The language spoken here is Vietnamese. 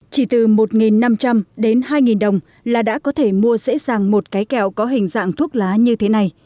chỉ từ một năm trăm linh đến hai đồng là đã có thể mua dễ dàng một cái kẹo có hình dạng thuốc lá như thế này